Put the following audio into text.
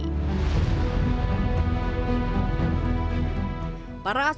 astronom australia menemukan sebuah objek ruang angkasa